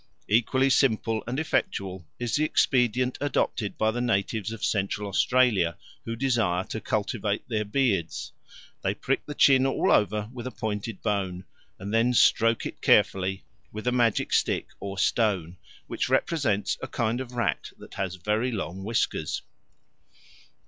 Equally simple and effectual is the expedient adopted by natives of Central Australia who desire to cultivate their beards. They prick the chin all over with a pointed bone, and then stroke it carefully with a magic stick or stone, which represents a kind of rat that has very long whiskers.